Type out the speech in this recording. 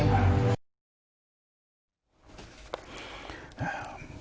ตอนสำเร็จ